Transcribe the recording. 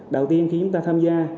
đầu tiên khi chúng ta tham gia